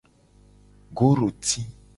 Goroti.